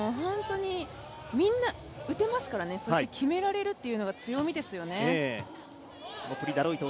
みんな打てますからね、そして決められるというのが強みですよね。